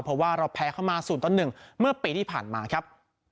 เพราะว่าเราแพ้เข้ามา๐ต่อ๑เมื่อปีที่ผ่านมาครับ